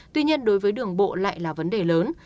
tuy nhiên đối với đường bộ lại là vấn đề lớn